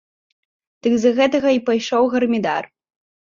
Дык з-за гэтага і пайшоў гармідар.